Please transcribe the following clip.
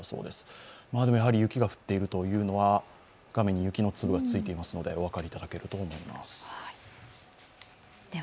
でも雪が降っているというのは画面に雪の粒がついていますのでお分かりいただけるかと思います。